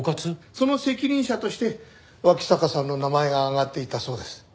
その責任者として脇坂さんの名前が挙がっていたそうです。